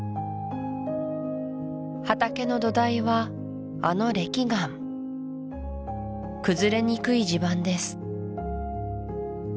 畑の土台はあの礫岩崩れにくい地盤です